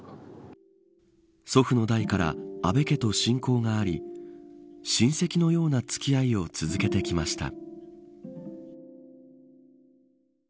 祖父の代から安倍家と親交があり親戚のような付き合いを続けてきました。